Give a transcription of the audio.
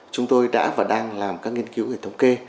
chúng tôi đã và đang làm các nghiên cứu để thống kê